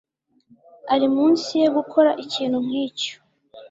Ari munsi ye gukora ikintu nkicyo.